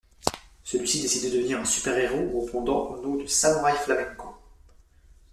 Celui-ci décide de devenir un super-héros répondant au nom de Samurai Flamenco.